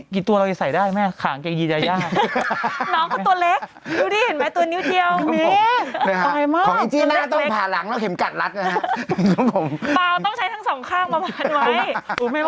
แค่ตามป่าหลังแล้วเข็มกัดลัดนะครับ